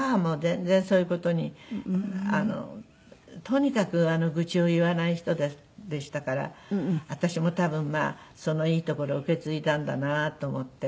とにかく愚痴を言わない人でしたから私も多分まあそのいいところを受け継いだんだなと思って。